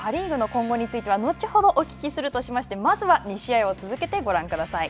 今後について、後ほどお聞きするとしまして、まずは２試合を続けてご覧ください。